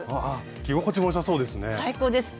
着心地もよさそうですね。